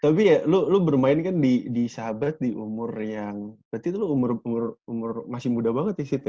tapi ya lu bermain kan di sahabat di umur yang berarti itu lu masih muda banget ya sita